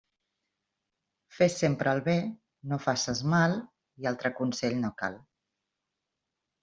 Fes sempre el bé, no faces mal i altre consell no cal.